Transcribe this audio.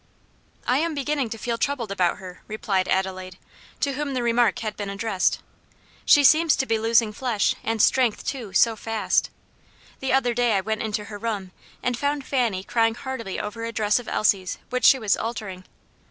"I am beginning to feel troubled about her," replied Adelaide, to whom the remark had been addressed; "she seems to be losing flesh, and strength, too, so fast. The other day I went into her room, and found Fanny crying heartily over a dress of Elsie's which she was altering.